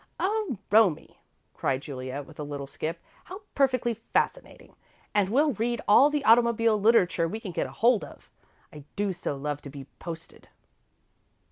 "Oh, Romie!" cried Juliet, with a little skip. "How perfectly fascinating! And we'll read all the automobile literature we can get hold of. I do so love to be posted!"